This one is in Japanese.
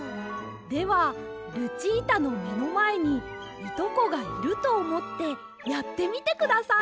ではルチータのめのまえにいとこがいるとおもってやってみてください。